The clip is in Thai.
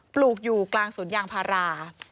ลูกอยู่กลางสวนยางพารา